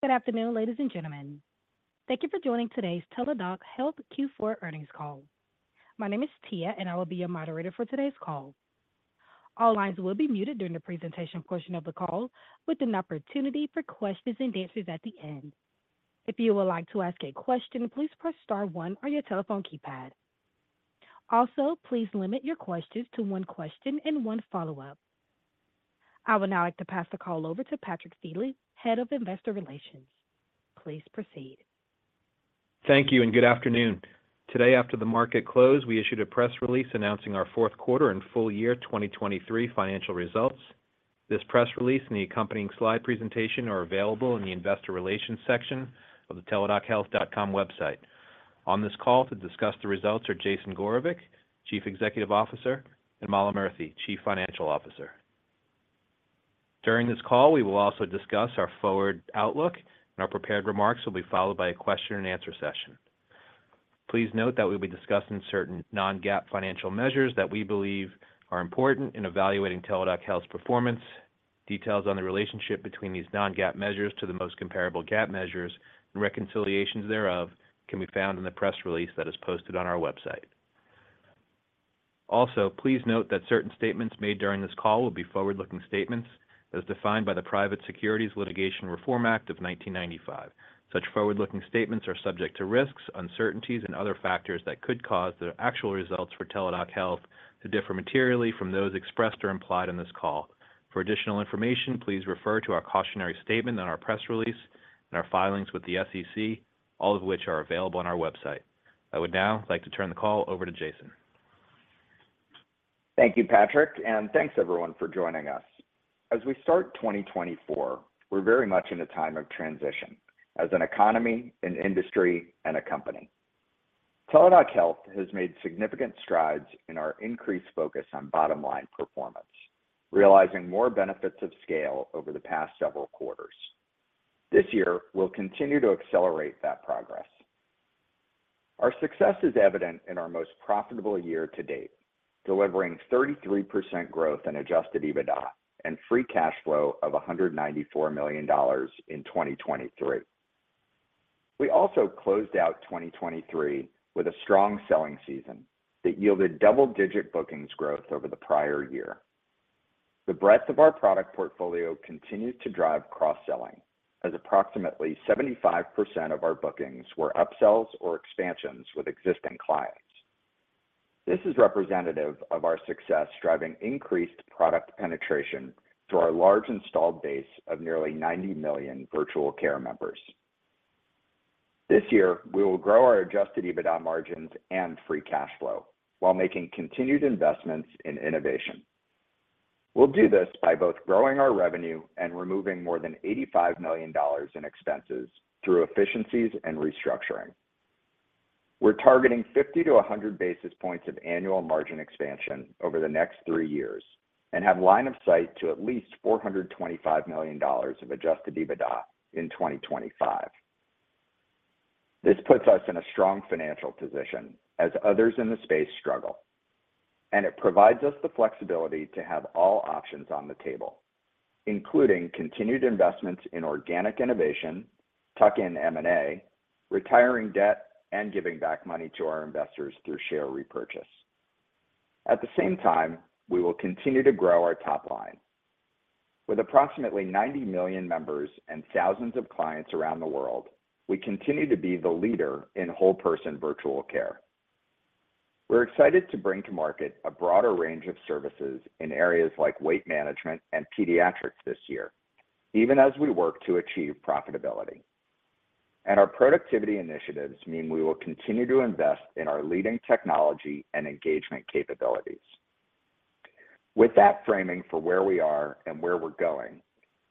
Good afternoon, ladies and gentlemen. Thank you for joining today's Teladoc Health Q4 earnings call. My name is Tia, and I will be your moderator for today's call. All lines will be muted during the presentation portion of the call, with an opportunity for questions and answers at the end. If you would like to ask a question, please press star one on your telephone keypad. Also, please limit your questions to one question and one follow-up. I would now like to pass the call over to Patrick Feeley, Head of Investor Relations. Please proceed. Thank you, and good afternoon. Today, after the market closed, we issued a press release announcing our fourth quarter and full-year 2023 financial results. This press release and the accompanying slide presentation are available in the Investor Relations section of the teladochealth.com website. On this call to discuss the results are Jason Gorevic, Chief Executive Officer, and Mala Murthy, Chief Financial Officer. During this call, we will also discuss our forward outlook, and our prepared remarks will be followed by a question-and-answer session. Please note that we will be discussing certain non-GAAP financial measures that we believe are important in evaluating Teladoc Health's performance. Details on the relationship between these non-GAAP measures to the most comparable GAAP measures and reconciliations thereof can be found in the press release that is posted on our website. Also, please note that certain statements made during this call will be forward-looking statements, as defined by the Private Securities Litigation Reform Act of 1995. Such forward-looking statements are subject to risks, uncertainties, and other factors that could cause the actual results for Teladoc Health to differ materially from those expressed or implied in this call. For additional information, please refer to our cautionary statement on our press release and our filings with the SEC, all of which are available on our website. I would now like to turn the call over to Jason. Thank you, Patrick, and thanks, everyone, for joining us. As we start 2024, we're very much in a time of transition as an economy, an industry, and a company. Teladoc Health has made significant strides in our increased focus on bottom-line performance, realizing more benefits of scale over the past several quarters. This year, we'll continue to accelerate that progress. Our success is evident in our most profitable year to date, delivering 33% growth in Adjusted EBITDA and free cash flow of $194 million in 2023. We also closed out 2023 with a strong selling season that yielded double-digit bookings growth over the prior year. The breadth of our product portfolio continues to drive cross-selling, as approximately 75% of our bookings were upsells or expansions with existing clients. This is representative of our success driving increased product penetration through our large installed base of nearly 90 virtual care members. This year, we will grow our Adjusted EBITDA margins and Free Cash Flow while making continued investments in innovation. We'll do this by both growing our revenue and removing more than $85 million in expenses through efficiencies and restructuring. We're targeting 50-100 basis points of annual margin expansion over the next three years and have line of sight to at least $425 million of Adjusted EBITDA in 2025. This puts us in a strong financial position as others in the space struggle, and it provides us the flexibility to have all options on the table, including continued investments in organic innovation, tuck-in M&A, retiring debt, and giving back money to our investors through share repurchase. At the same time, we will continue to grow our top line. With approximately 90 million members and thousands of clients around the world, we continue to be the leader in virtual care. we're excited to bring to market a broader range of services in areas like weight management and pediatrics this year, even as we work to achieve profitability. Our productivity initiatives mean we will continue to invest in our leading technology and engagement capabilities. With that framing for where we are and where we're going,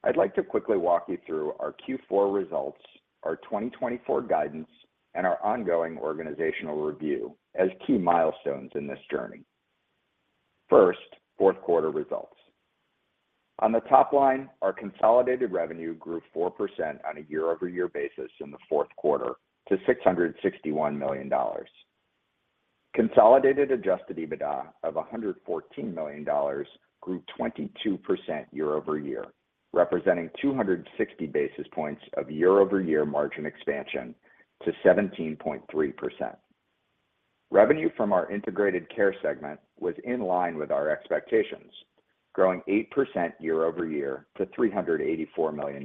I'd like to quickly walk you through our Q4 results, our 2024 guidance, and our ongoing organizational review as key milestones in this journey. First, fourth-quarter results. On the top line, our consolidated revenue grew 4% on a year-over-year basis in the fourth quarter to $661 million. Consolidated Adjusted EBITDA of $114 million grew 22% year-over-year, representing 260 basis points of year-over-year margin expansion to 17.3%. Revenue from our Integrated Care segment was in line with our expectations, growing 8% year-over-year to $384 million.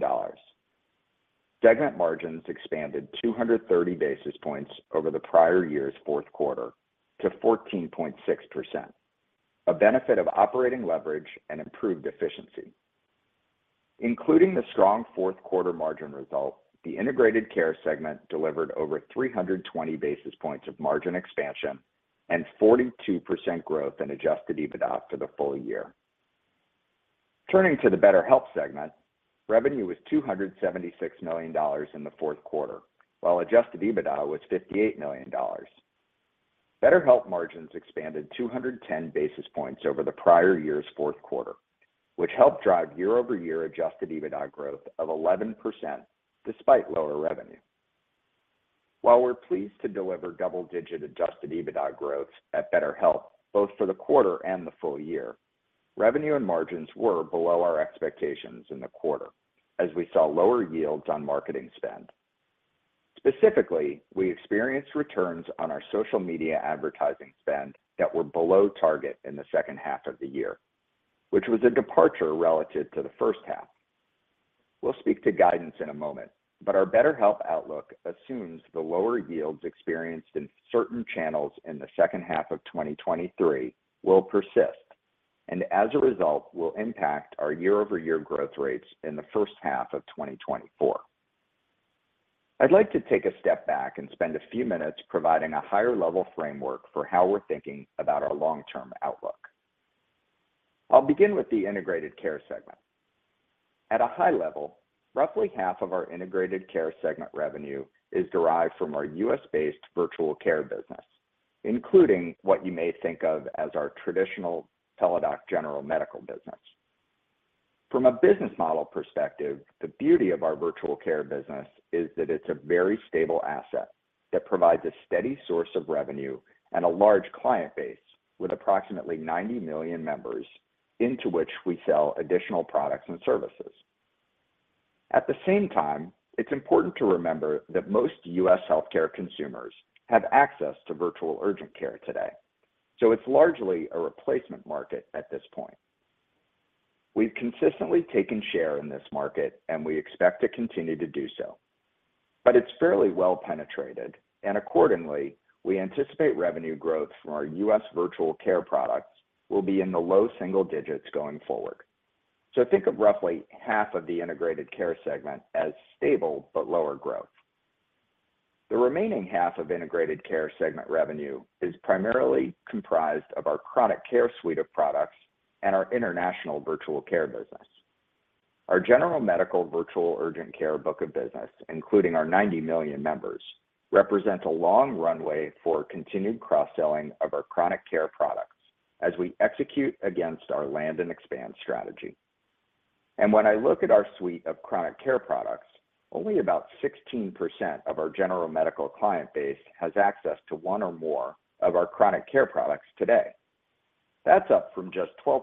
Segment margins expanded 230 basis points over the prior year's fourth quarter to 14.6%, a benefit of operating leverage and improved efficiency. Including the strong fourth-quarter margin result, the Integrated Care segment delivered over 320 basis points of margin expansion and 42% growth in adjusted EBITDA for the full year. Turning to the BetterHelp segment, revenue was $276 million in the fourth quarter, while adjusted EBITDA was $58 million. BetterHelp margins expanded 210 basis points over the prior year's fourth quarter, which helped drive year-over-year adjusted EBITDA growth of 11% despite lower revenue. While we're pleased to deliver double-digit adjusted EBITDA growth at BetterHelp both for the quarter and the full year, revenue and margins were below our expectations in the quarter as we saw lower yields on marketing spend. Specifically, we experienced returns on our social media advertising spend that were below target in the second half of the year, which was a departure relative to the first half. We'll speak to guidance in a moment, but our BetterHelp outlook assumes the lower yields experienced in certain channels in the second half of 2023 will persist, and as a result, will impact our year-over-year growth rates in the first half of 2024. I'd like to take a step back and spend a few minutes providing a higher-level framework for how we're thinking about our long-term outlook. I'll begin with the integrated care segment. At a high level, roughly half of our integrated care segment revenue is derived from our virtual care business, including what you may think of as our traditional Teladoc general medical business. From a business model perspective, the beauty of virtual care business is that it's a very stable asset that provides a steady source of revenue and a large client base with approximately 90 million members into which we sell additional products and services. At the same time, it's important to remember that most U.S. healthcare consumers have access to virtual urgent care today, so it's largely a replacement market at this point. We've consistently taken share in this market, and we expect to continue to do so. But it's fairly well-penetrated, and accordingly, we anticipate revenue growth from our virtual care products will be in the low single digits going forward. So think of roughly half of the integrated care segment as stable but lower growth. The remaining half of Integrated Care segment revenue is primarily comprised of our Chronic Care suite of products and our virtual care business. Our general medical virtual urgent care book of business, including our 90 million members, represents a long runway for continued cross-selling of our Chronic Care products as we execute against our land-and-expand strategy. When I look at our suite of Chronic Care products, only about 16% of our general medical client base has access to one or more of our Chronic Care products today. That's up from just 12%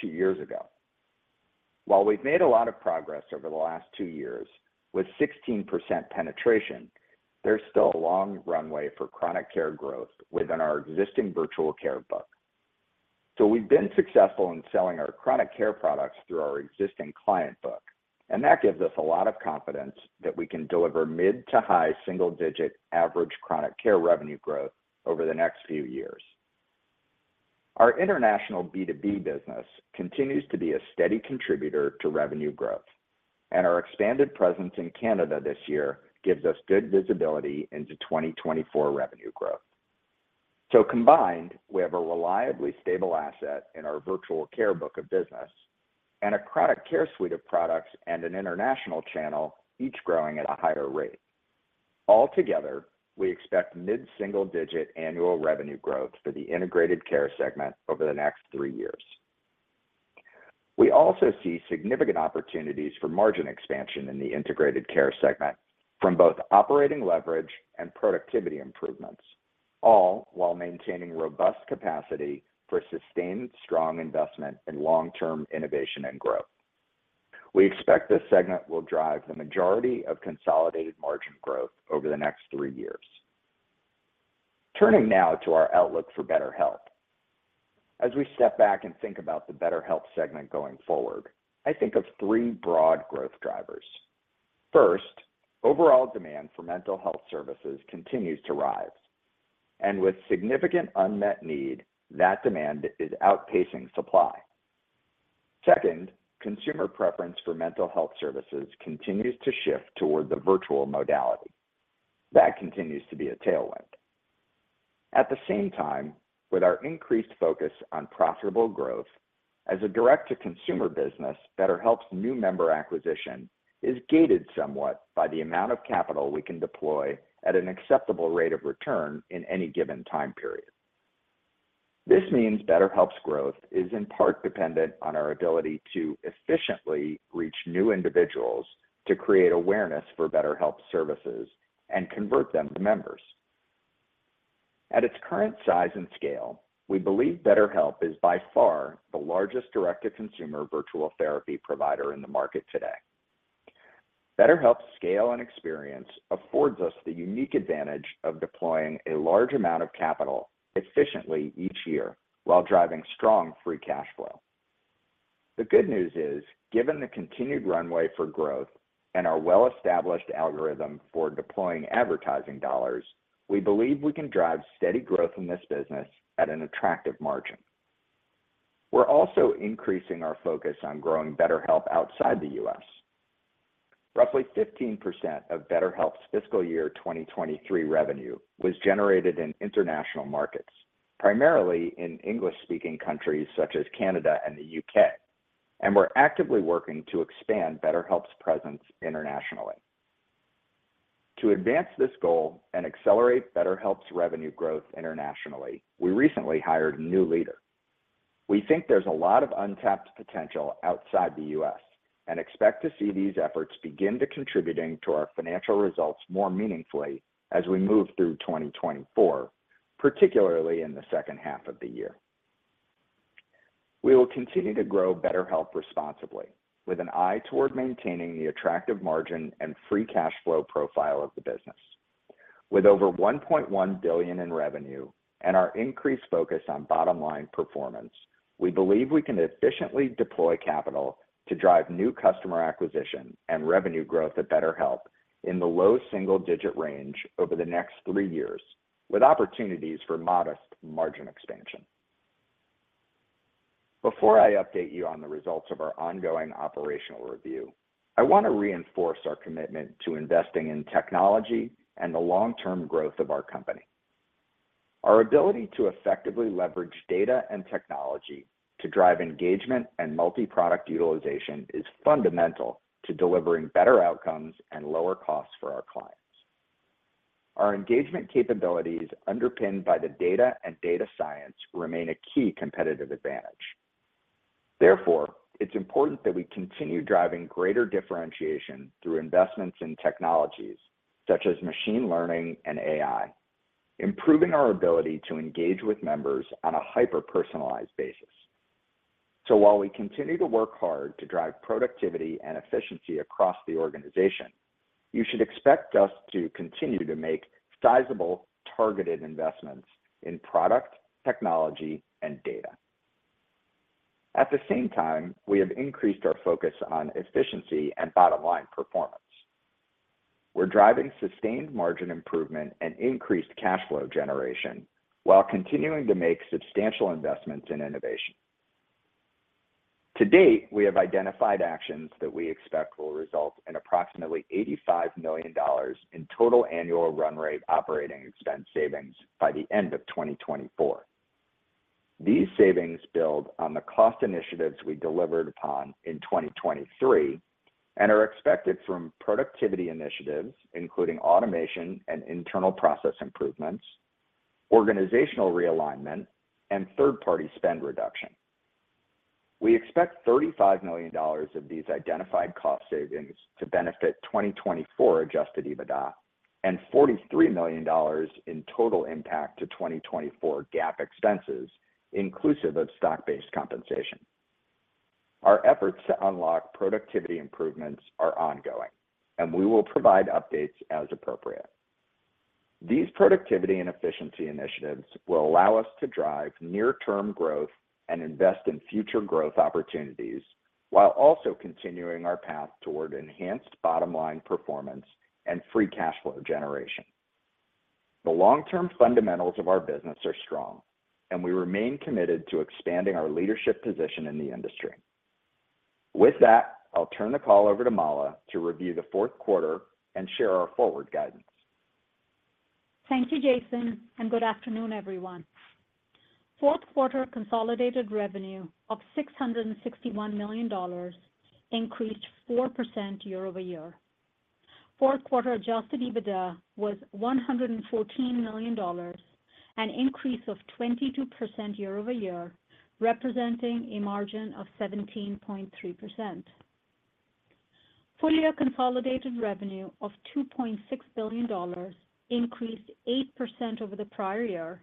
two years ago. While we've made a lot of progress over the last two years with 16% penetration, there's still a long runway for Chronic Care growth within our virtual care book. So we've been successful in selling our Chronic Care products through our existing client book, and that gives us a lot of confidence that we can deliver mid- to high single-digit average Chronic Care revenue growth over the next few years. Our international B2B business continues to be a steady contributor to revenue growth, and our expanded presence in Canada this year gives us good visibility into 2024 revenue growth. So combined, we have a reliably stable asset in virtual care book of business and a Chronic Care suite of products and an international channel each growing at a higher rate. Altogether, we expect mid-single-digit annual revenue growth for the Integrated Care segment over the next three years. We also see significant opportunities for margin expansion in the integrated care segment from both operating leverage and productivity improvements, all while maintaining robust capacity for sustained, strong investment in long-term innovation and growth. We expect this segment will drive the majority of consolidated margin growth over the next three years. Turning now to our outlook for BetterHelp. As we step back and think about the BetterHelp segment going forward, I think of three broad growth drivers. First, overall demand for mental health services continues to rise, and with significant unmet need, that demand is outpacing supply. Second, consumer preference for mental health services continues to shift toward the virtual modality. That continues to be a tailwind. At the same time, with our increased focus on profitable growth, as a direct-to-consumer business, BetterHelp's new member acquisition is gated somewhat by the amount of capital we can deploy at an acceptable rate of return in any given time period. This means BetterHelp's growth is in part dependent on our ability to efficiently reach new individuals to create awareness for BetterHelp services and convert them to members. At its current size and scale, we believe BetterHelp is by far the largest direct-to-consumer virtual therapy provider in the market today. BetterHelp's scale and experience affords us the unique advantage of deploying a large amount of capital efficiently each year while driving strong free cash flow. The good news is, given the continued runway for growth and our well-established algorithm for deploying advertising dollars, we believe we can drive steady growth in this business at an attractive margin. We're also increasing our focus on growing BetterHelp outside the U.S. Roughly 15% of BetterHelp's fiscal year 2023 revenue was generated in international markets, primarily in English-speaking countries such as Canada and the U.K., and we're actively working to expand BetterHelp's presence internationally. To advance this goal and accelerate BetterHelp's revenue growth internationally, we recently hired a new leader. We think there's a lot of untapped potential outside the U.S. and expect to see these efforts begin to contribute to our financial results more meaningfully as we move through 2024, particularly in the second half of the year. We will continue to grow BetterHelp responsibly with an eye toward maintaining the attractive margin and free cash flow profile of the business. With over $1.1 billion in revenue and our increased focus on bottom-line performance, we believe we can efficiently deploy capital to drive new customer acquisition and revenue growth at BetterHelp in the low single-digit range over the next three years with opportunities for modest margin expansion. Before I update you on the results of our ongoing operational review, I want to reinforce our commitment to investing in technology and the long-term growth of our company. Our ability to effectively leverage data and technology to drive engagement and multi-product utilization is fundamental to delivering better outcomes and lower costs for our clients. Our engagement capabilities underpinned by the data and data science remain a key competitive advantage. Therefore, it's important that we continue driving greater differentiation through investments in technologies such as machine learning and AI, improving our ability to engage with members on a hyper-personalized basis. So while we continue to work hard to drive productivity and efficiency across the organization, you should expect us to continue to make sizable, targeted investments in product, technology, and data. At the same time, we have increased our focus on efficiency and bottom-line performance. We're driving sustained margin improvement and increased cash flow generation while continuing to make substantial investments in innovation. To date, we have identified actions that we expect will result in approximately $85 million in total annual runway operating expense savings by the end of 2024. These savings build on the cost initiatives we delivered upon in 2023 and are expected from productivity initiatives including automation and internal process improvements, organizational realignment, and third-party spend reduction. We expect $35 million of these identified cost savings to benefit 2024 Adjusted EBITDA and $43 million in total impact to 2024 GAAP expenses inclusive of stock-based compensation. Our efforts to unlock productivity improvements are ongoing, and we will provide updates as appropriate. These productivity and efficiency initiatives will allow us to drive near-term growth and invest in future growth opportunities while also continuing our path toward enhanced bottom-line performance and free cash flow generation. The long-term fundamentals of our business are strong, and we remain committed to expanding our leadership position in the industry. With that, I'll turn the call over to Mala to review the fourth quarter and share our forward guidance. Thank you, Jason, and good afternoon, everyone. Fourth quarter consolidated revenue of $661 million increased 4% year-over-year. Fourth quarter adjusted EBITDA was $114 million, an increase of 22% year-over-year representing a margin of 17.3%. Full year consolidated revenue of $2.6 billion increased 8% over the prior year,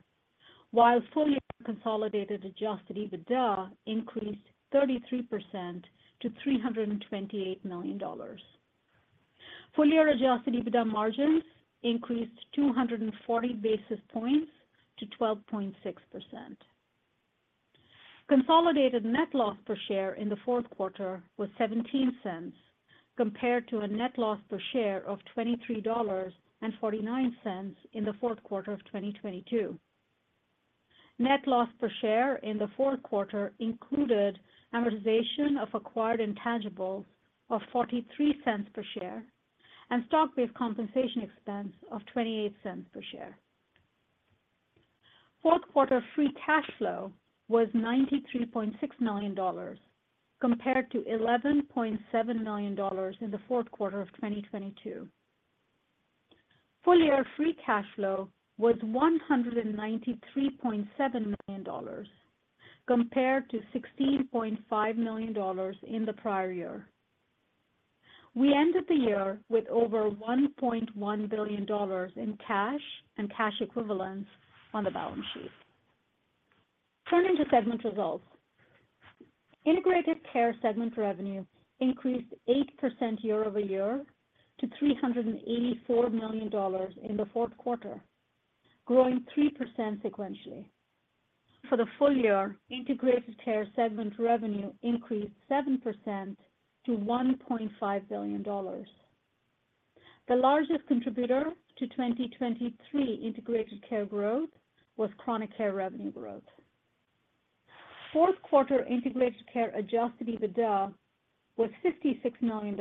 while full year consolidated adjusted EBITDA increased 33% to $328 million. Full year adjusted EBITDA margins increased 240 basis points to 12.6%. Consolidated net loss per share in the fourth quarter was $0.17 compared to a net loss per share of $23.49 in the fourth quarter of 2022. Net loss per share in the fourth quarter included amortization of acquired intangibles of $0.43 per share and stock-based compensation expense of $0.28 per share. Fourth quarter free cash flow was $93.6 million compared to $11.7 million in the fourth quarter of 2022. Full year Free Cash Flow was $193.7 million compared to $16.5 million in the prior year. We ended the year with over $1.1 billion in cash and cash equivalents on the balance sheet. Turning to segment results. Integrated Care segment revenue increased 8% year-over-year to $384 million in the fourth quarter, growing 3% sequentially. For the full year, Integrated Care segment revenue increased 7% to $1.5 billion. The largest contributor to 2023 Integrated Care growth was Chronic Care revenue growth. Fourth quarter Integrated Care Adjusted EBITDA was $56 million,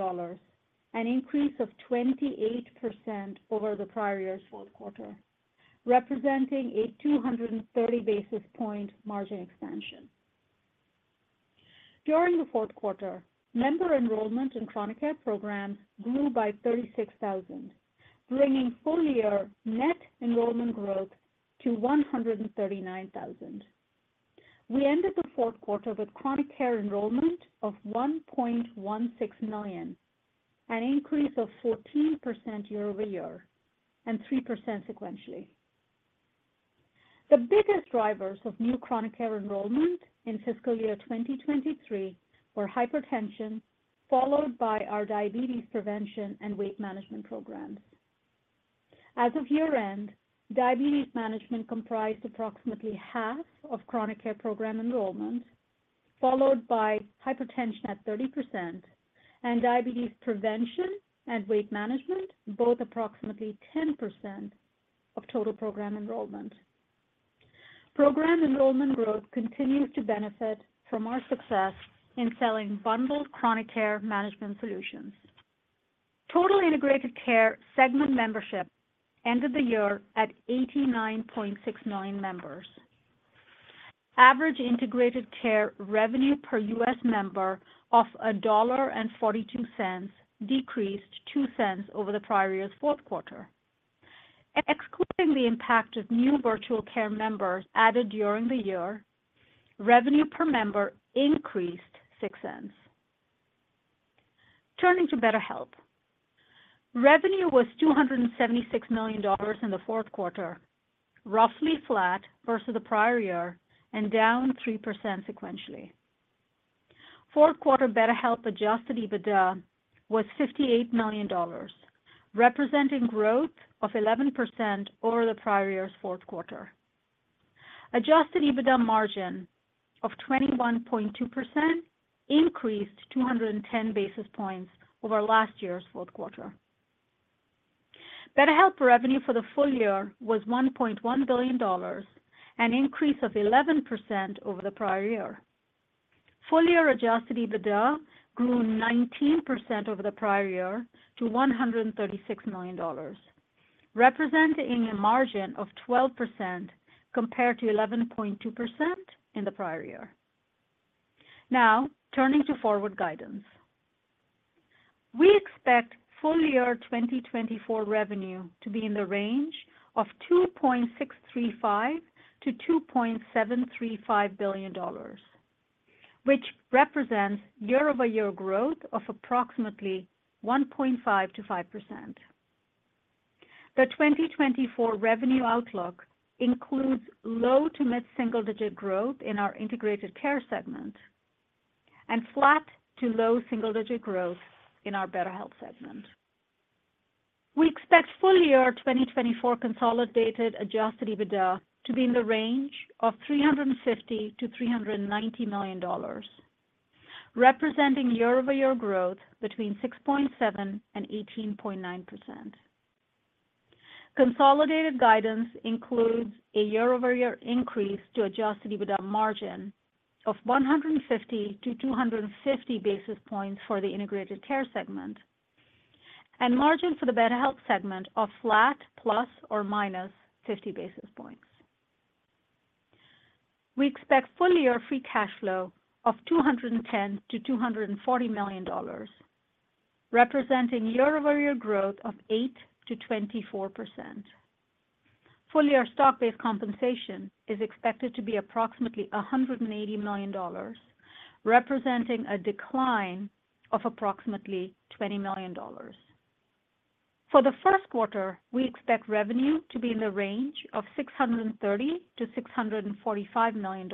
an increase of 28% over the prior year's fourth quarter, representing a 230 basis points margin expansion. During the fourth quarter, member enrollment in Chronic Care programs grew by 36,000, bringing full year net enrollment growth to 139,000. We ended the fourth quarter with Chronic Care enrollment of 1.16 million, an increase of 14% year-over-year and 3% sequentially. The biggest drivers of new Chronic Care enrollment in fiscal year 2023 were hypertension, followed by our diabetes prevention and weight management programs. As of year-end, diabetes management comprised approximately half of Chronic Care program enrollment, followed by hypertension at 30%, and diabetes prevention and weight management, both approximately 10% of total program enrollment. Program enrollment growth continues to benefit from our success in selling bundled Chronic Care management solutions. Total Integrated Care segment membership ended the year at 89.6 million members. Average Integrated Care revenue per U.S. member of $1.42 decreased $0.02 over the prior year's fourth quarter. Excluding the impact of virtual care members added during the year, revenue per member increased $0.06. Turning to BetterHelp. Revenue was $276 million in the fourth quarter, roughly flat versus the prior year and down 3% sequentially. Fourth quarter BetterHelp adjusted EBITDA was $58 million, representing growth of 11% over the prior year's fourth quarter. Adjusted EBITDA margin of 21.2% increased 210 basis points over last year's fourth quarter. BetterHelp revenue for the full year was $1.1 billion, an increase of 11% over the prior year. Full year adjusted EBITDA grew 19% over the prior year to $136 million, representing a margin of 12% compared to 11.2% in the prior year. Now, turning to forward guidance. We expect full year 2024 revenue to be in the range of $2.635 billion-$2.735 billion, which represents year-over-year growth of approximately 1.5%-5%. The 2024 revenue outlook includes low to mid-single-digit growth in our Integrated Care segment and flat to low single-digit growth in our BetterHelp segment. We expect full year 2024 consolidated adjusted EBITDA to be in the range of $350 million-$390 million, representing year-over-year growth between 6.7% and 18.9%. Consolidated guidance includes a year-over-year increase to adjusted EBITDA margin of 150-250 basis points for the integrated care segment and margin for the BetterHelp segment of flat plus or minus 50 basis points. We expect full year free cash flow of $210 million-$240 million, representing year-over-year growth of 8%-24%. Full year stock-based compensation is expected to be approximately $180 million, representing a decline of approximately $20 million. For the first quarter, we expect revenue to be in the range of $630 million-$645 million.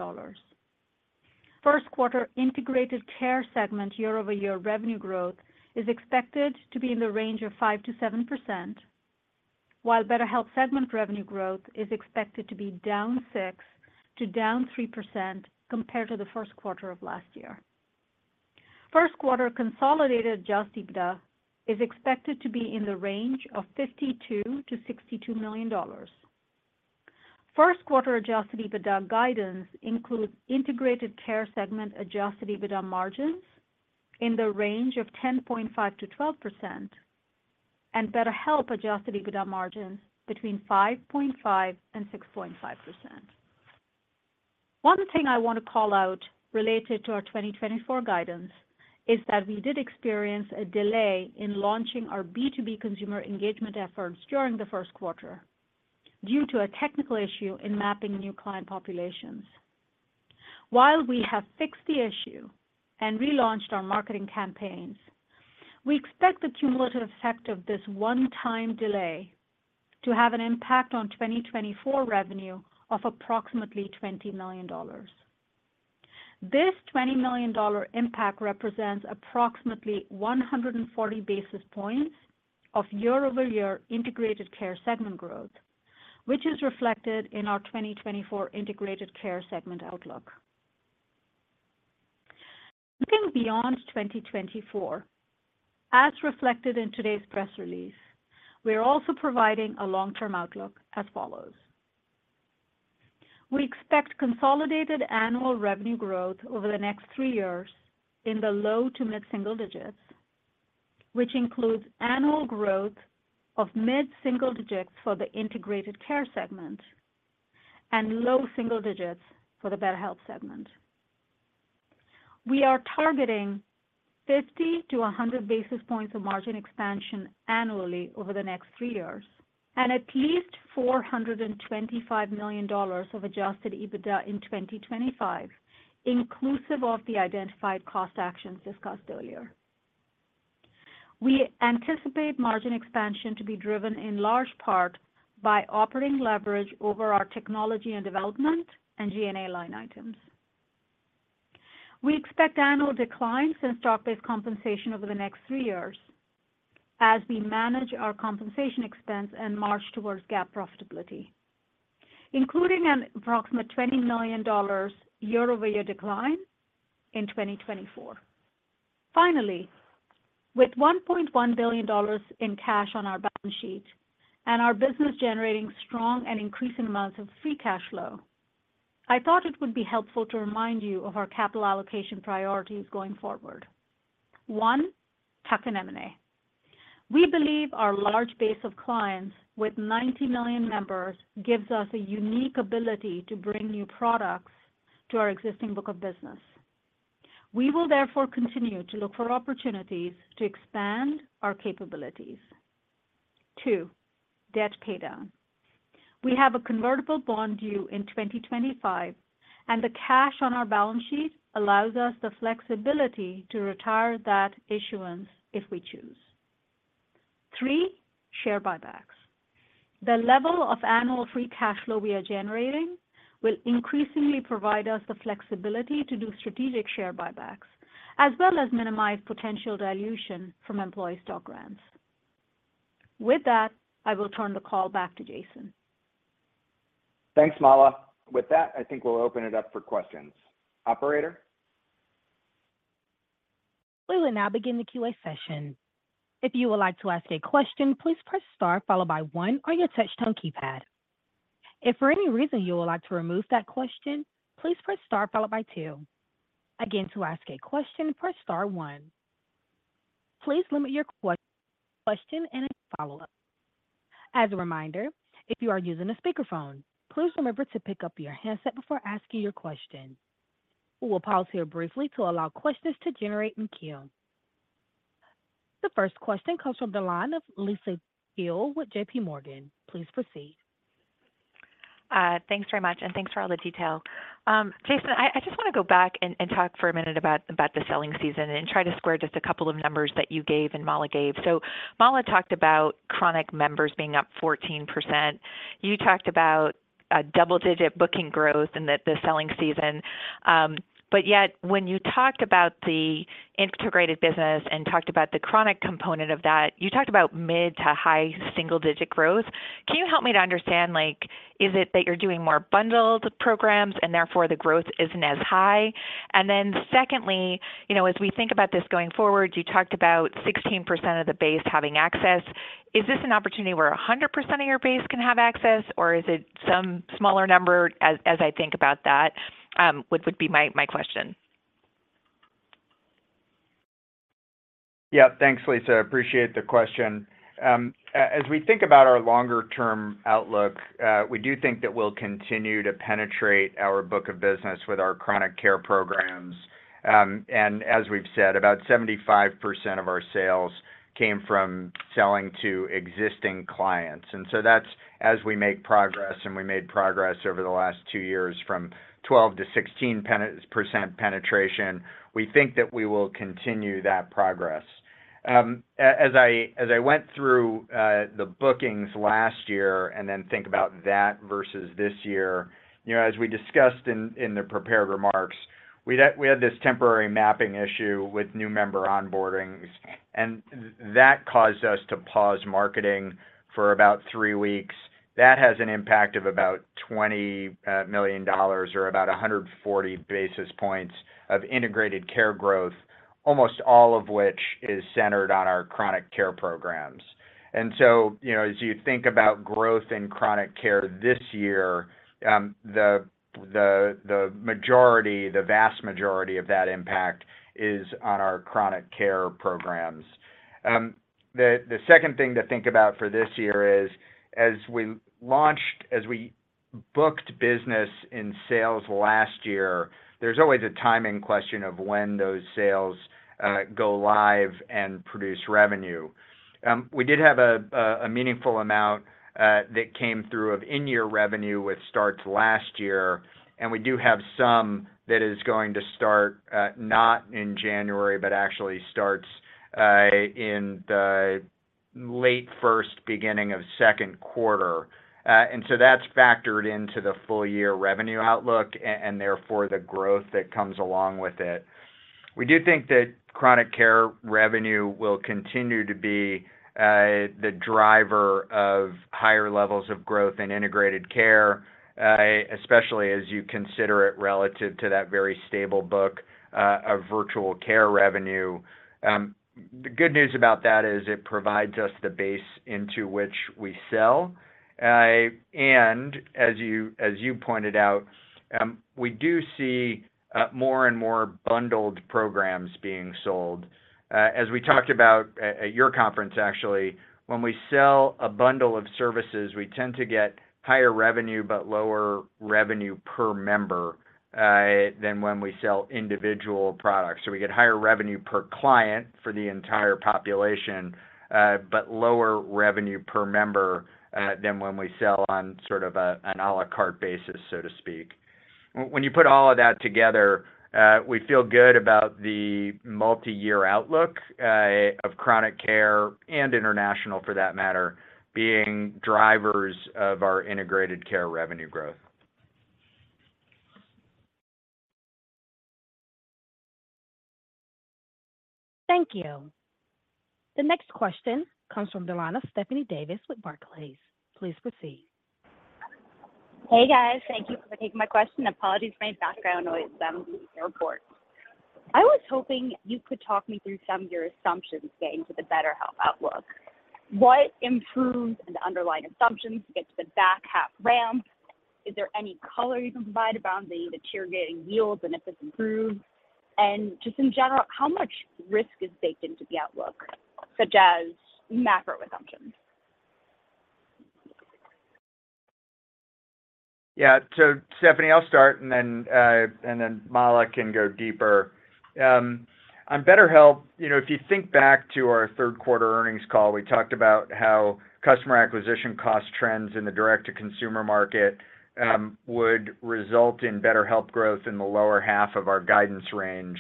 First quarter Integrated Care segment year-over-year revenue growth is expected to be in the range of 5%-7%, while BetterHelp segment revenue growth is expected to be down 6% to down 3% compared to the first quarter of last year. First quarter consolidated Adjusted EBITDA is expected to be in the range of $52 million-$62 million. First quarter Adjusted EBITDA guidance includes Integrated Care segment Adjusted EBITDA margins in the range of 10.5%-12% and BetterHelp Adjusted EBITDA margins between 5.5% and 6.5%. One thing I want to call out related to our 2024 guidance is that we did experience a delay in launching our B2B consumer engagement efforts during the first quarter due to a technical issue in mapping new client populations. While we have fixed the issue and relaunched our marketing campaigns, we expect the cumulative effect of this one-time delay to have an impact on 2024 revenue of approximately $20 million. This $20 million impact represents approximately 140 basis points of year-over-year Integrated Care segment growth, which is reflected in our 2024 Integrated Care segment outlook. Looking beyond 2024, as reflected in today's press release, we are also providing a long-term outlook as follows. We expect consolidated annual revenue growth over the next three years in the low to mid-single digits, which includes annual growth of mid-single digits for the Integrated Care segment and low single digits for the BetterHelp segment. We are targeting 50-100 basis points of margin expansion annually over the next three years and at least $425 million of Adjusted EBITDA in 2025, inclusive of the identified cost actions discussed earlier. We anticipate margin expansion to be driven in large part by operating leverage over our technology and development and G&A line items. We expect annual declines in stock-based compensation over the next three years as we manage our compensation expense and march towards GAAP profitability, including an approximate $20 million year-over-year decline in 2024. Finally, with $1.1 billion in cash on our balance sheet and our business generating strong and increasing amounts of free cash flow, I thought it would be helpful to remind you of our capital allocation priorities going forward. One, tuck-in M&A. We believe our large base of clients with 90 million members gives us a unique ability to bring new products to our existing book of business. We will therefore continue to look for opportunities to expand our capabilities. Two, debt paydown. We have a convertible bond due in 2025, and the cash on our balance sheet allows us the flexibility to retire that issuance if we choose. Three, share buybacks. The level of annual Free Cash Flow we are generating will increasingly provide us the flexibility to do strategic share buybacks as well as minimize potential dilution from employee stock grants. With that, I will turn the call back to Jason. Thanks, Mala. With that, I think we'll open it up for questions. Operator? We will now begin the Q&A session. If you would like to ask a question, please press star followed by one on your touch-tone keypad. If for any reason you would like to remove that question, please press star followed by two. Again, to ask a question, press star one. Please limit your question and follow-up. As a reminder, if you are using a speakerphone, please remember to pick up your handset before asking your question. We will pause here briefly to allow questions to generate and queue. The first question comes from the line of Lisa Gill with JPMorgan. Please proceed. Thanks very much, and thanks for all the detail. Jason, I just want to go back and talk for a minute about the selling season and try to square just a couple of numbers that you gave and Mala gave. So Mala talked about chronic members being up 14%. You talked about double-digit booking growth in the selling season. But yet, when you talked about the integrated business and talked about the chronic component of that, you talked about mid to high single-digit growth. Can you help me to understand, is it that you're doing more bundled programs and therefore the growth isn't as high? And then secondly, as we think about this going forward, you talked about 16% of the base having access. Is this an opportunity where 100% of your base can have access, or is it some smaller number? As I think about that, would be my question. Yep, thanks, Lisa. Appreciate the question. As we think about our longer-term outlook, we do think that we'll continue to penetrate our book of business with our Chronic Care programs. And as we've said, about 75% of our sales came from selling to existing clients. And so that's as we make progress, and we made progress over the last two years from 12%-16% penetration. We think that we will continue that progress. As I went through the bookings last year and then think about that versus this year, as we discussed in the prepared remarks, we had this temporary mapping issue with new member onboardings, and that caused us to pause marketing for about three weeks. That has an impact of about $20 million or about 140 basis points of Integrated Care growth, almost all of which is centered on our Chronic Care programs. So as you think about growth in Chronic Care this year, the vast majority of that impact is on our Chronic Care programs. The second thing to think about for this year is, as we booked business in sales last year, there's always a timing question of when those sales go live and produce revenue. We did have a meaningful amount that came through of in-year revenue with starts last year, and we do have some that is going to start not in January but actually starts in the late first, beginning of second quarter. So that's factored into the full-year revenue outlook and therefore the growth that comes along with it. We do think that Chronic Care revenue will continue to be the driver of higher levels of growth in Integrated Care, especially as you consider it relative to that very stable book virtual care revenue. The good news about that is it provides us the base into which we sell. As you pointed out, we do see more and more bundled programs being sold. As we talked about at your conference, actually, when we sell a bundle of services, we tend to get higher revenue but lower revenue per member than when we sell individual products. We get higher revenue per client for the entire population but lower revenue per member than when we sell on sort of an à la carte basis, so to speak. When you put all of that together, we feel good about the multi-year outlook of chronic care and international, for that matter, being drivers of our integrated care revenue growth. Thank you. The next question comes from the line of Stephanie Davis with Barclays. Please proceed. Hey, guys. Thank you for taking my question. Apologies for my background noise from the airport. I was hoping you could talk me through some of your assumptions getting to the BetterHelp outlook. What improves the underlying assumptions to get to the back half ramp? Is there any color you can provide around the iterating yields and if this improves? And just in general, how much risk is baked into the outlook, such as macro assumptions? Yeah. So Stephanie, I'll start, and then Mala can go deeper. On BetterHelp, if you think back to our third-quarter earnings call, we talked about how customer acquisition cost trends in the direct-to-consumer market would result in BetterHelp growth in the lower half of our guidance range.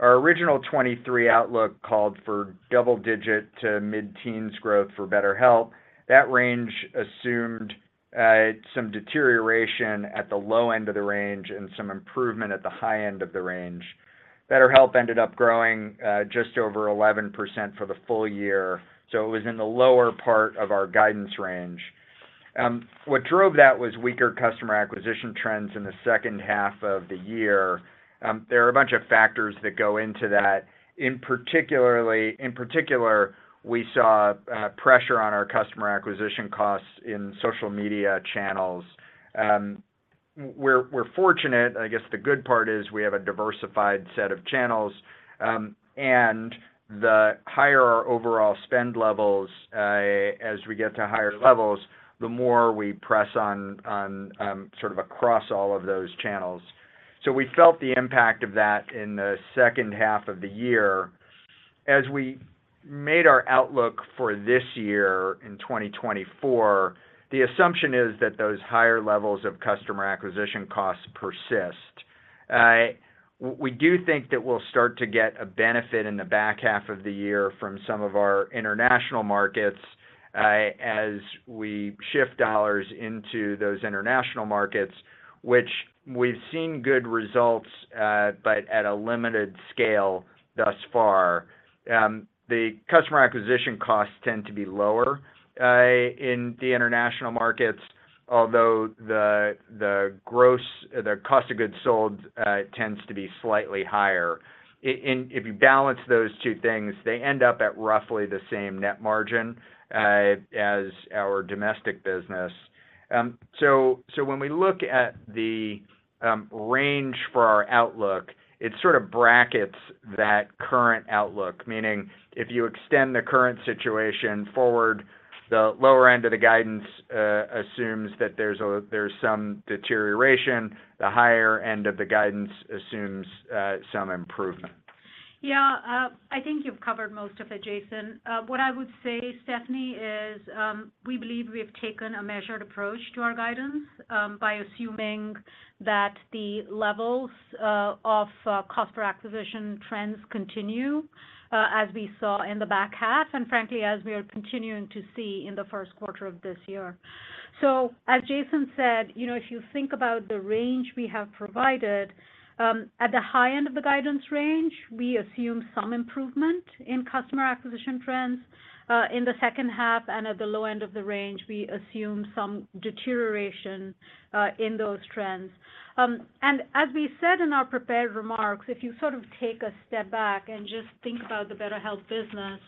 Our original 2023 outlook called for double-digit to mid-teens growth for BetterHelp. That range assumed some deterioration at the low end of the range and some improvement at the high end of the range. BetterHelp ended up growing just over 11% for the full year, so it was in the lower part of our guidance range. What drove that was weaker customer acquisition trends in the second half of the year. There are a bunch of factors that go into that. In particular, we saw pressure on our customer acquisition costs in social media channels. We're fortunate. I guess the good part is we have a diversified set of channels. And the higher our overall spend levels, as we get to higher levels, the more we press sort of across all of those channels. So we felt the impact of that in the second half of the year. As we made our outlook for this year in 2024, the assumption is that those higher levels of customer acquisition costs persist. We do think that we'll start to get a benefit in the back half of the year from some of our international markets as we shift dollars into those international markets, which we've seen good results but at a limited scale thus far. The customer acquisition costs tend to be lower in the international markets, although the cost of goods sold tends to be slightly higher. If you balance those two things, they end up at roughly the same net margin as our domestic business. So when we look at the range for our outlook, it sort of brackets that current outlook, meaning if you extend the current situation forward, the lower end of the guidance assumes that there's some deterioration. The higher end of the guidance assumes some improvement. Yeah, I think you've covered most of it, Jason. What I would say, Stephanie, is we believe we have taken a measured approach to our guidance by assuming that the levels of cost per acquisition trends continue as we saw in the back half and, frankly, as we are continuing to see in the first quarter of this year. So as Jason said, if you think about the range we have provided, at the high end of the guidance range, we assume some improvement in customer acquisition trends. In the second half and at the low end of the range, we assume some deterioration in those trends. As we said in our prepared remarks, if you sort of take a step back and just think about the BetterHelp business,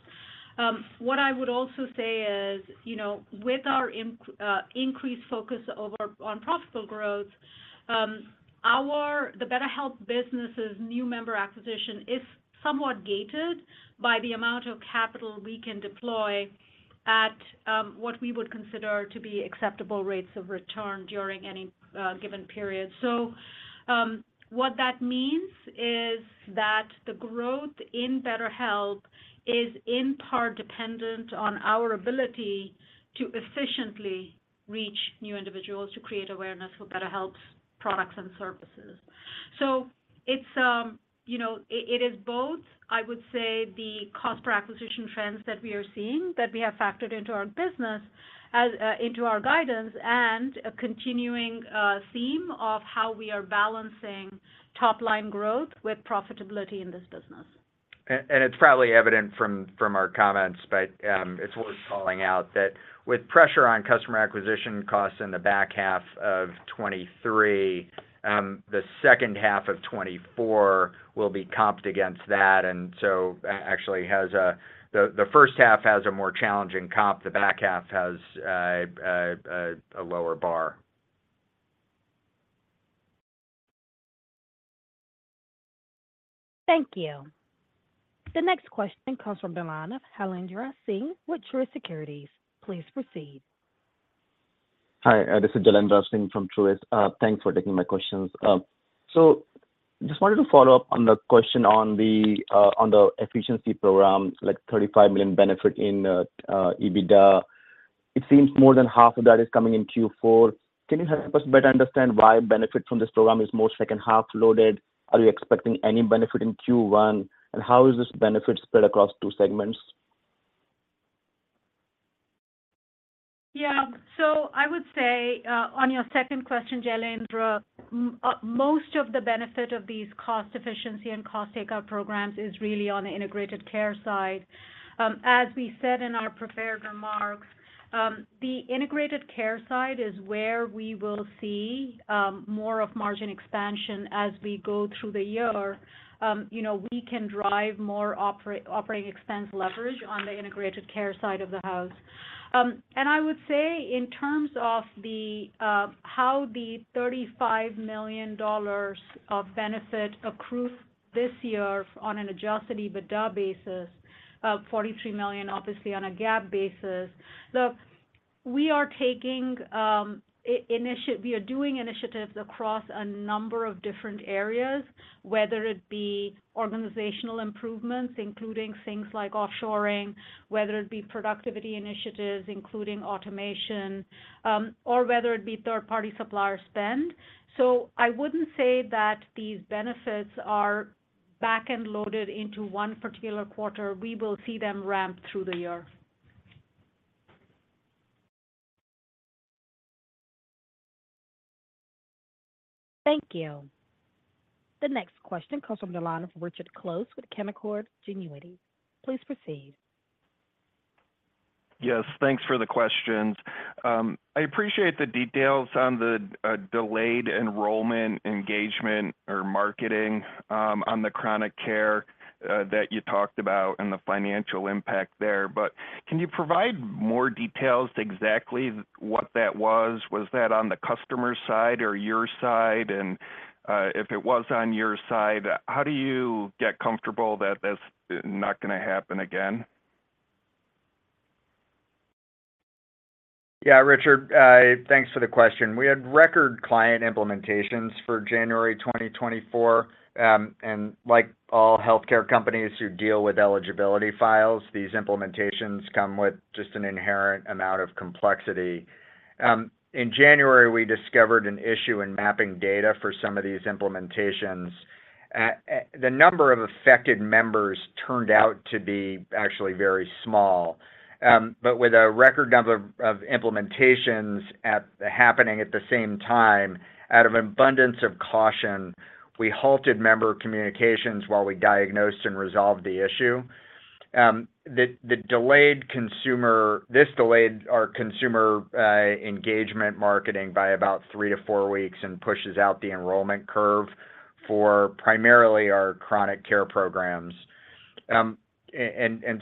what I would also say is, with our increased focus on profitable growth, the BetterHelp business's new member acquisition is somewhat gated by the amount of capital we can deploy at what we would consider to be acceptable rates of return during any given period. What that means is that the growth in BetterHelp is in part dependent on our ability to efficiently reach new individuals to create awareness for BetterHelp's products and services. It is both, I would say, the cost per acquisition trends that we are seeing that we have factored into our guidance and a continuing theme of how we are balancing top-line growth with profitability in this business. It's probably evident from our comments, but it's worth calling out that with pressure on customer acquisition costs in the back half of 2023, the second half of 2024 will be comped against that. And so actually, the first half has a more challenging comp. The back half has a lower bar. Thank you. The next question comes from the line of Jailendra Singh with Truist Securities. Please proceed. Hi, this is Jailendra Singh from Truist. Thanks for taking my questions. So I just wanted to follow up on the question on the efficiency program, like $35 million benefit in EBITDA. It seems more than half of that is coming in Q4. Can you help us better understand why benefit from this program is more second half loaded? Are you expecting any benefit in Q1, and how is this benefit spread across two segments? Yeah. So I would say, on your second question, Jailendra, most of the benefit of these cost efficiency and cost takeout programs is really on the Integrated Care side. As we said in our prepared remarks, the Integrated Care side is where we will see more of margin expansion as we go through the year. We can drive more operating expense leverage on the Integrated Care side of the house. And I would say, in terms of how the $35 million of benefit accrues this year on an Adjusted EBITDA basis, $43 million, obviously, on a GAAP basis, look, we are doing initiatives across a number of different areas, whether it be organizational improvements, including things like offshoring, whether it be productivity initiatives, including automation, or whether it be third-party supplier spend. So I wouldn't say that these benefits are back-end loaded into one particular quarter. We will see them ramp through the year. Thank you. The next question comes from the line of Richard Close with Canaccord Genuity. Please proceed. Yes, thanks for the questions. I appreciate the details on the delayed enrollment engagement or marketing on the chronic care that you talked about and the financial impact there. But can you provide more details to exactly what that was? Was that on the customer side or your side? And if it was on your side, how do you get comfortable that that's not going to happen again? Yeah, Richard, thanks for the question. We had record client implementations for January 2024. Like all healthcare companies who deal with eligibility files, these implementations come with just an inherent amount of complexity. In January, we discovered an issue in mapping data for some of these implementations. The number of affected members turned out to be actually very small. But with a record number of implementations happening at the same time, out of an abundance of caution, we halted member communications while we diagnosed and resolved the issue. This delayed our consumer engagement marketing by about three to four weeks and pushes out the enrollment curve for primarily our chronic care programs. And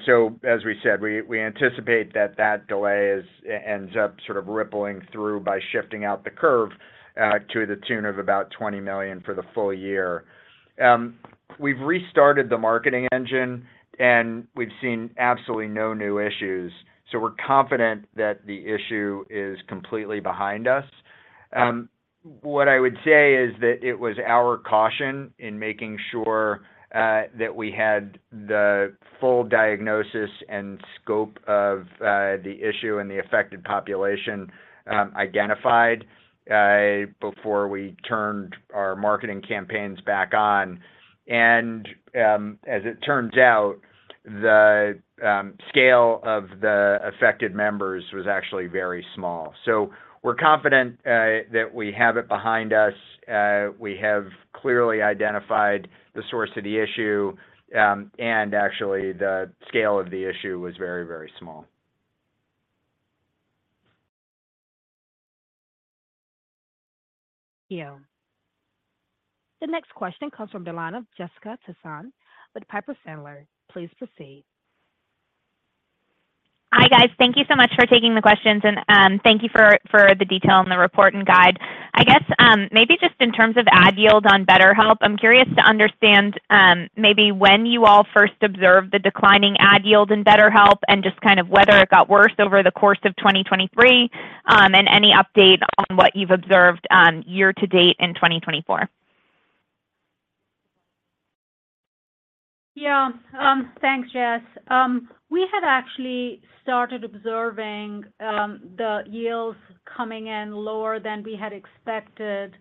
so, as we said, we anticipate that that delay ends up sort of rippling through by shifting out the curve to the tune of about $20 million for the full year. We've restarted the marketing engine, and we've seen absolutely no new issues. So we're confident that the issue is completely behind us. What I would say is that it was our caution in making sure that we had the full diagnosis and scope of the issue and the affected population identified before we turned our marketing campaigns back on. And as it turns out, the scale of the affected members was actually very small. So we're confident that we have it behind us. We have clearly identified the source of the issue. And actually, the scale of the issue was very, very small. Thank you. The next question comes from the line of Jessica Tassan with Piper Sandler. Please proceed. Hi, guys. Thank you so much for taking the questions. Thank you for the detail in the report and guide. I guess maybe just in terms of ad yield on BetterHelp, I'm curious to understand maybe when you all first observed the declining ad yield in BetterHelp and just kind of whether it got worse over the course of 2023 and any update on what you've observed year-to-date in 2024. Yeah. Thanks, Jess. We had actually started observing the yields coming in lower than we had expected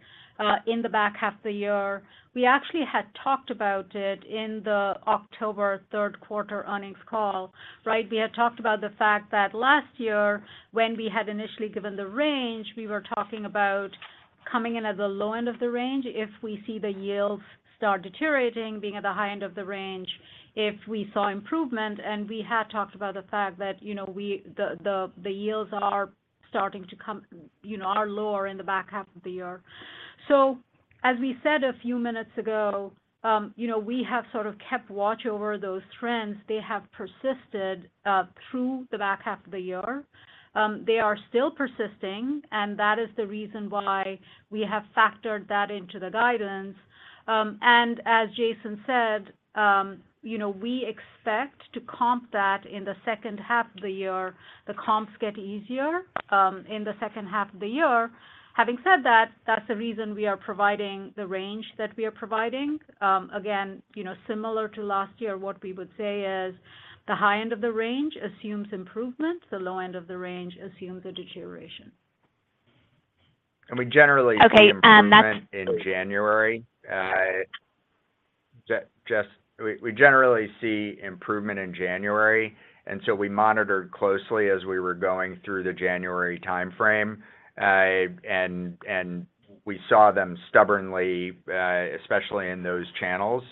in the back half of the year. We actually had talked about it in the October third-quarter earnings call, right? We had talked about the fact that last year, when we had initially given the range, we were talking about coming in at the low end of the range if we see the yields start deteriorating, being at the high end of the range if we saw improvement. And we had talked about the fact that the yields are starting to come lower in the back half of the year. So as we said a few minutes ago, we have sort of kept watch over those trends. They have persisted through the back half of the year. They are still persisting. And that is the reason why we have factored that into the guidance. And as Jason said, we expect to comp that in the second half of the year. The comps get easier in the second half of the year. Having said that, that's the reason we are providing the range that we are providing. Again, similar to last year, what we would say is the high end of the range assumes improvement. The low end of the range assumes a deterioration. We generally see improvement in January. Jess, we generally see improvement in January. We monitored closely as we were going through the January timeframe. We saw them stubbornly, especially in those channels,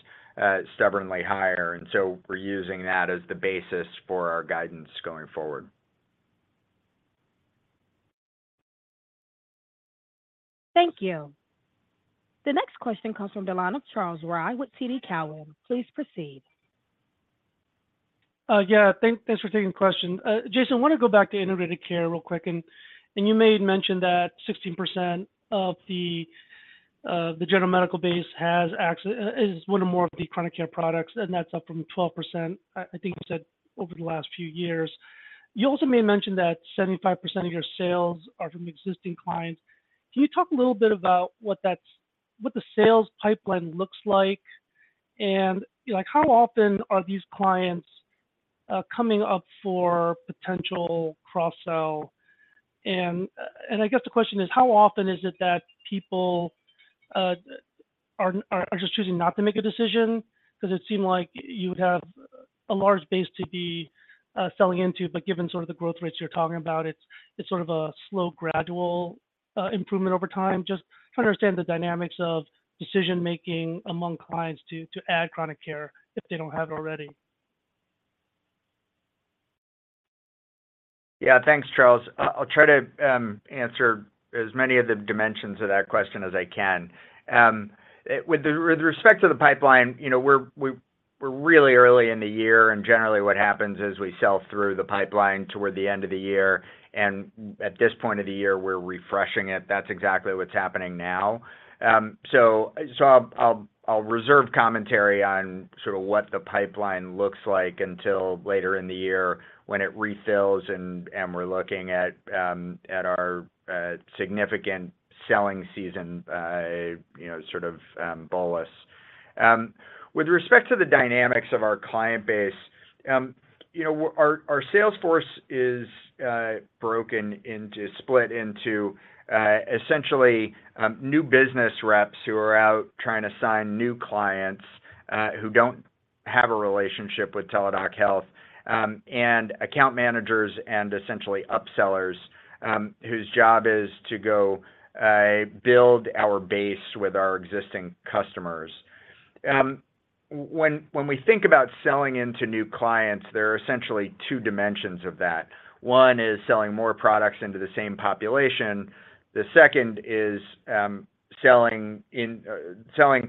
stubbornly higher. We're using that as the basis for our guidance going forward. Thank you. The next question comes from the line of Charles Rhyee with TD Cowen. Please proceed. Yeah, thanks for taking the question. Jason, I want to go back to integrated care real quick. And you made mention that 16% of the general medical base is one or more of the chronic care products. And that's up from 12%, I think you said, over the last few years. You also made mention that 75% of your sales are from existing clients. Can you talk a little bit about what the sales pipeline looks like? And how often are these clients coming up for potential cross-sell? And I guess the question is, how often is it that people are just choosing not to make a decision? Because it seemed like you would have a large base to be selling into. But given sort of the growth rates you're talking about, it's sort of a slow, gradual improvement over time. Just trying to understand the dynamics of decision-making among clients to add chronic care if they don't have it already. Yeah, thanks, Charles. I'll try to answer as many of the dimensions of that question as I can. With respect to the pipeline, we're really early in the year. Generally, what happens is we sell through the pipeline toward the end of the year. At this point of the year, we're refreshing it. That's exactly what's happening now. I'll reserve commentary on sort of what the pipeline looks like until later in the year when it refills and we're looking at our significant selling season sort of bullish. With respect to the dynamics of our client base, our salesforce is split into, essentially, new business reps who are out trying to sign new clients who don't have a relationship with Teladoc Health and account managers and, essentially, upsellers whose job is to go build our base with our existing customers. When we think about selling into new clients, there are essentially two dimensions of that. One is selling more products into the same population. The second is selling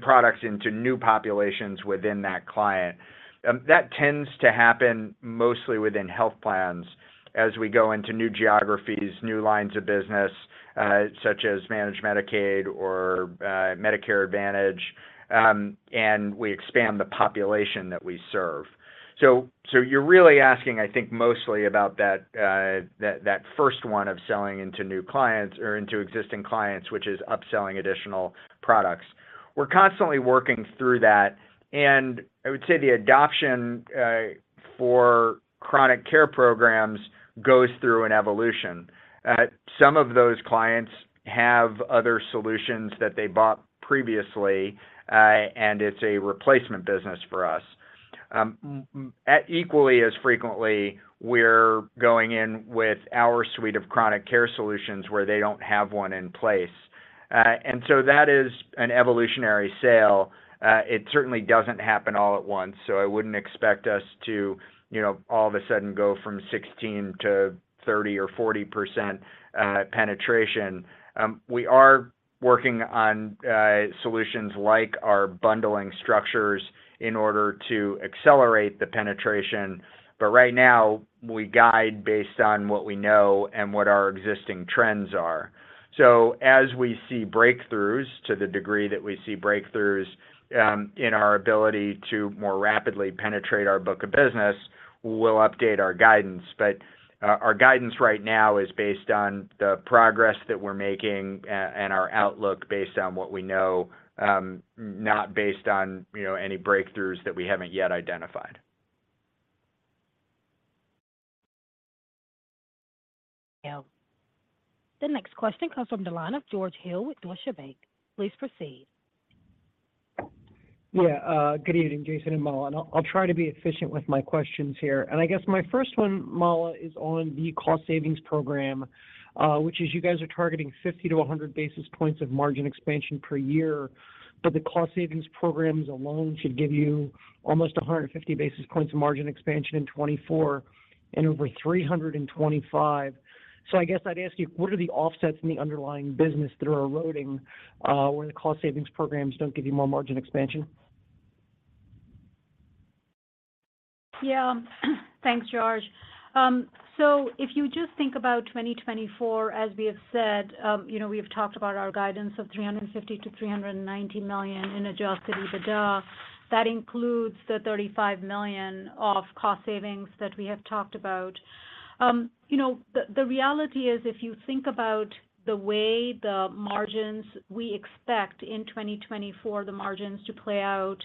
products into new populations within that client. That tends to happen mostly within health plans as we go into new geographies, new lines of business, such as Managed Medicaid or Medicare Advantage. And we expand the population that we serve. So you're really asking, I think, mostly about that first one of selling into new clients or into existing clients, which is upselling additional products. We're constantly working through that. And I would say the adoption for chronic care programs goes through an evolution. Some of those clients have other solutions that they bought previously. And it's a replacement business for us. Equally as frequently, we're going in with our suite of chronic care solutions where they don't have one in place. So that is an evolutionary sale. It certainly doesn't happen all at once. I wouldn't expect us to all of a sudden go from 16%-30% or 40% penetration. We are working on solutions like our bundling structures in order to accelerate the penetration. Right now, we guide based on what we know and what our existing trends are. As we see breakthroughs, to the degree that we see breakthroughs in our ability to more rapidly penetrate our book of business, we'll update our guidance. Our guidance right now is based on the progress that we're making and our outlook based on what we know, not based on any breakthroughs that we haven't yet identified. Yeah. The next question comes from the line of George Hill with Deutsche Bank. Please proceed. Yeah. Good evening, Jason and Mala. I'll try to be efficient with my questions here. I guess my first one, Mala, is on the cost savings program, which is you guys are targeting 50-100 basis points of margin expansion per year. The cost savings programs alone should give you almost 150 basis points of margin expansion in 2024 and over 325. I guess I'd ask you, what are the offsets in the underlying business that are eroding where the cost savings programs don't give you more margin expansion? Yeah. Thanks, George. So if you just think about 2024, as we have said, we have talked about our guidance of $350 million-$390 million in Adjusted EBITDA. That includes the $35 million of cost savings that we have talked about. The reality is, if you think about the way the margins we expect in 2024, the margins to play out,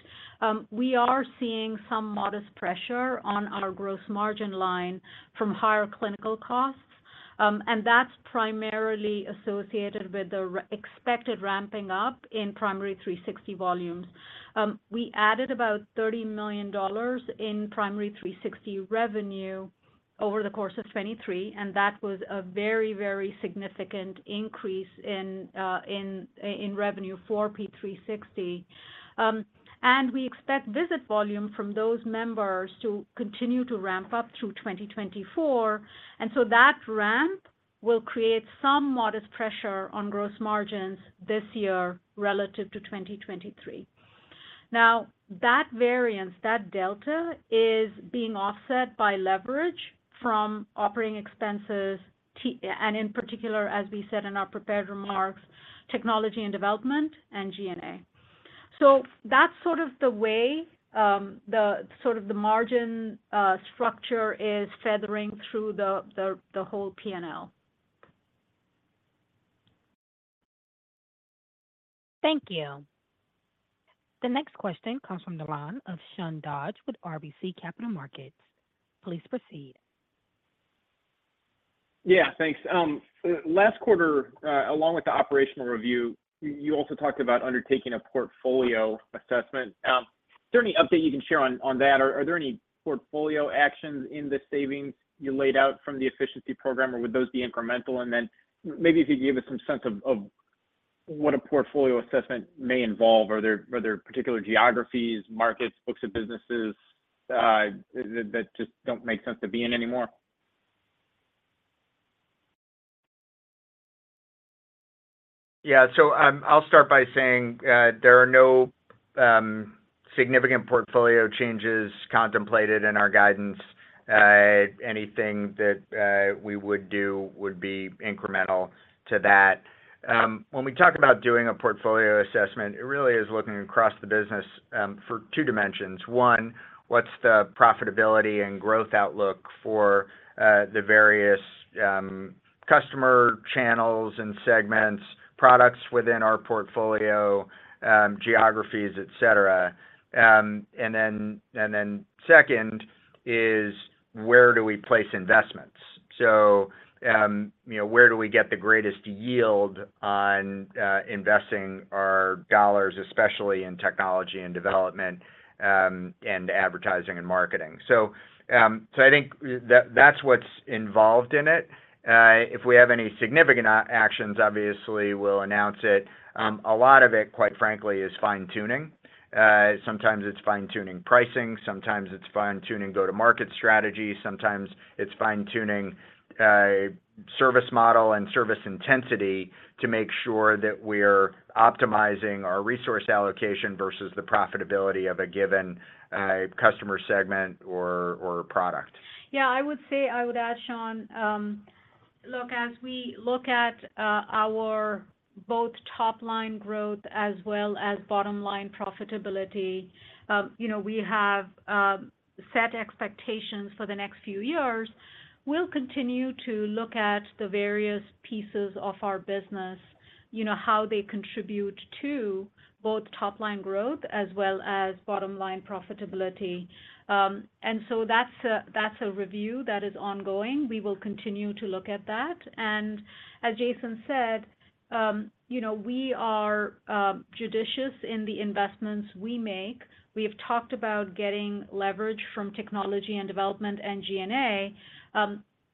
we are seeing some modest pressure on our gross margin line from higher clinical costs. And that's primarily associated with the expected ramping up in Primary360 volumes. We added about $30 million in Primary360 revenue over the course of 2023. And that was a very, very significant increase in revenue for P360. And we expect visit volume from those members to continue to ramp up through 2024. And so that ramp will create some modest pressure on gross margins this year relative to 2023. Now, that variance, that delta, is being offset by leverage from operating expenses and, in particular, as we said in our prepared remarks, technology and development and G&A. So that's sort of the way sort of the margin structure is feathering through the whole P&L. Thank you. The next question comes from the line of Sean Dodge with RBC Capital Markets. Please proceed. Yeah, thanks. Last quarter, along with the operational review, you also talked about undertaking a portfolio assessment. Is there any update you can share on that? Are there any portfolio actions in the savings you laid out from the efficiency program? Or would those be incremental? And then maybe if you could give us some sense of what a portfolio assessment may involve. Are there particular geographies, markets, books of businesses that just don't make sense to be in anymore? Yeah. So I'll start by saying there are no significant portfolio changes contemplated in our guidance. Anything that we would do would be incremental to that. When we talk about doing a portfolio assessment, it really is looking across the business for two dimensions. One, what's the profitability and growth outlook for the various customer channels and segments, products within our portfolio, geographies, etc.? And then second is, where do we place investments? So where do we get the greatest yield on investing our dollars, especially in technology and development and advertising and marketing? So I think that's what's involved in it. If we have any significant actions, obviously, we'll announce it. A lot of it, quite frankly, is fine-tuning. Sometimes it's fine-tuning pricing. Sometimes it's fine-tuning go-to-market strategy. Sometimes it's fine-tuning service model and service intensity to make sure that we're optimizing our resource allocation versus the profitability of a given customer segment or product. Yeah. I would say I would add, Sean, look, as we look at our both top-line growth as well as bottom-line profitability, we have set expectations for the next few years. We'll continue to look at the various pieces of our business, how they contribute to both top-line growth as well as bottom-line profitability. And so that's a review that is ongoing. We will continue to look at that. And as Jason said, we are judicious in the investments we make. We have talked about getting leverage from technology and development and G&A.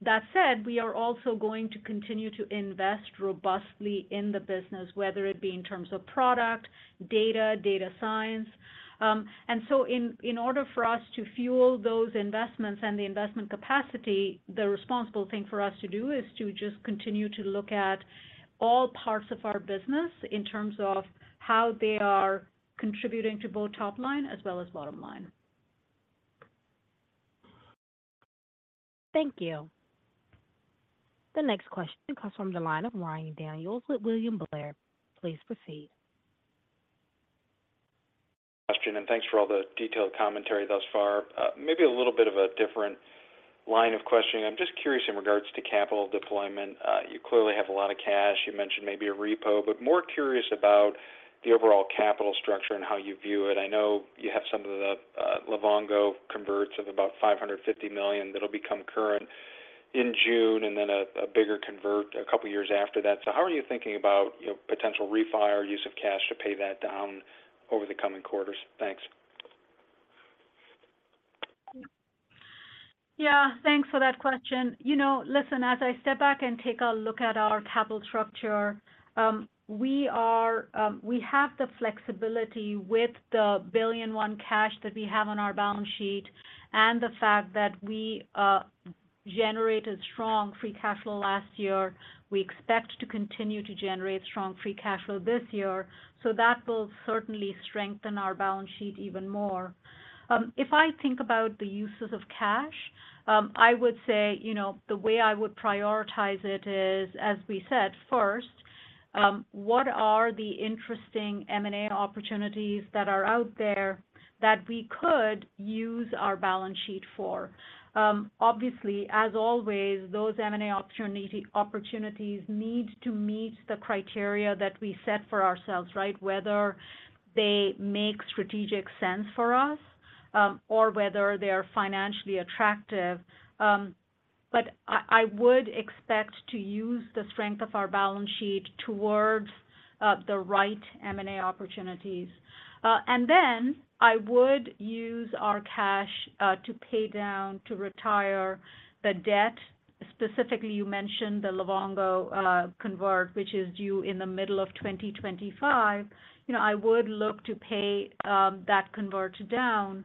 That said, we are also going to continue to invest robustly in the business, whether it be in terms of product, data, data science. And so in order for us to fuel those investments and the investment capacity, the responsible thing for us to do is to just continue to look at all parts of our business in terms of how they are contributing to both top-line as well as bottom-line. Thank you. The next question comes from the line of Ryan Daniels with William Blair. Please proceed. Question. Thanks for all the detailed commentary thus far. Maybe a little bit of a different line of question. I'm just curious in regards to capital deployment. You clearly have a lot of cash. You mentioned maybe a repo. More curious about the overall capital structure and how you view it. I know you have some of the Livongo converts of about $550 million that'll become current in June and then a bigger convert a couple of years after that. How are you thinking about potential refi or use of cash to pay that down over the coming quarters? Thanks. Yeah. Thanks for that question. Listen, as I step back and take a look at our capital structure, we have the flexibility with the $1.1 billion cash that we have on our balance sheet and the fact that we generated strong free cash flow last year. We expect to continue to generate strong free cash flow this year. So that will certainly strengthen our balance sheet even more. If I think about the uses of cash, I would say the way I would prioritize it is, as we said, first, what are the interesting M&A opportunities that are out there that we could use our balance sheet for? Obviously, as always, those M&A opportunities need to meet the criteria that we set for ourselves, right, whether they make strategic sense for us or whether they are financially attractive. But I would expect to use the strength of our balance sheet towards the right M&A opportunities. And then I would use our cash to pay down, to retire the debt. Specifically, you mentioned the Livongo convert, which is due in the middle of 2025. I would look to pay that convert down.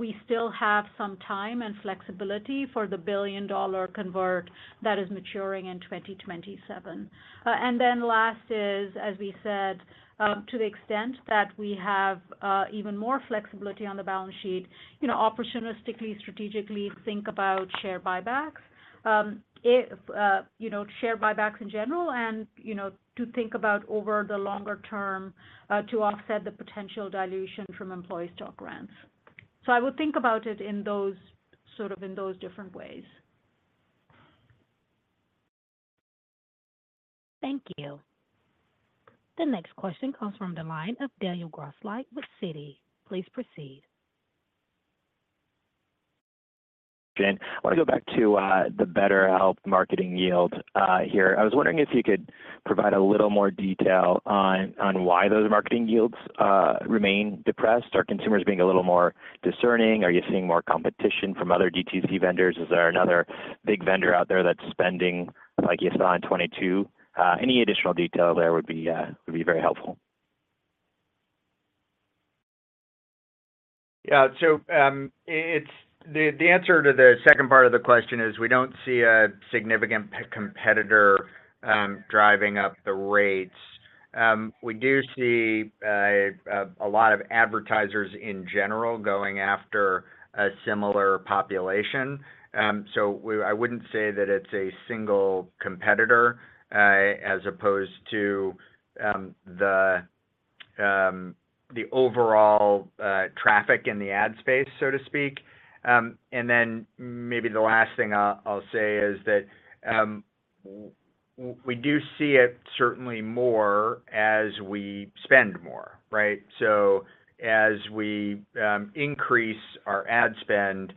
We still have some time and flexibility for the billion-dollar convert that is maturing in 2027. And then last is, as we said, to the extent that we have even more flexibility on the balance sheet, opportunistically, strategically, think about share buybacks, share buybacks in general, and to think about over the longer term to offset the potential dilution from employee stock grants. So I would think about it sort of in those different ways. Thank you. The next question comes from the line of Daniel Grosslight with Citi. Please proceed. Jason, I want to go back to the BetterHelp marketing yield here. I was wondering if you could provide a little more detail on why those marketing yields remain depressed. Are consumers being a little more discerning? Are you seeing more competition from other DTC vendors? Is there another big vendor out there that's spending like you saw in 2022? Any additional detail there would be very helpful. Yeah. So the answer to the second part of the question is we don't see a significant competitor driving up the rates. We do see a lot of advertisers in general going after a similar population. So I wouldn't say that it's a single competitor as opposed to the overall traffic in the ad space, so to speak. And then maybe the last thing I'll say is that we do see it certainly more as we spend more, right? So as we increase our ad spend,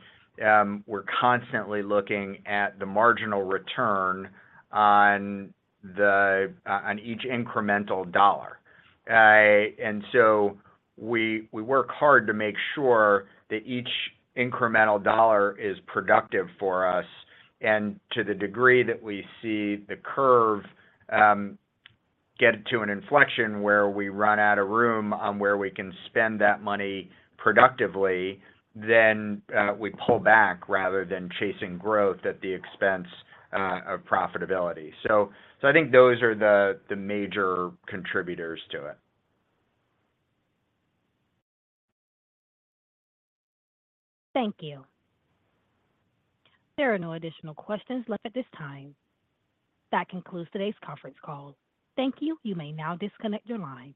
we're constantly looking at the marginal return on each incremental dollar. And so we work hard to make sure that each incremental dollar is productive for us. To the degree that we see the curve get to an inflection where we run out of room on where we can spend that money productively, then we pull back rather than chasing growth at the expense of profitability. I think those are the major contributors to it. Thank you. There are no additional questions left at this time. That concludes today's conference call. Thank you. You may now disconnect your line.